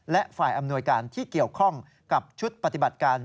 และฝ่ายอำนวยการที่เกี่ยวข้องกับชุดปฏิบัติการ